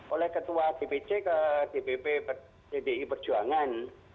oleh ketua dpc ke dpp pdi perjuangan